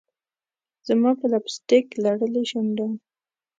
زما په لپ سټک لړلي شونډان